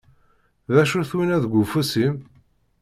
D acu-t winna deg ufus-im?